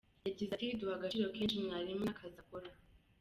Yagize ati “Duha agaciro kenshi mwarimu n’akazi akora.